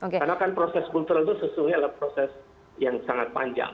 karena kan proses kultural itu sesungguhnya adalah proses yang sangat panjang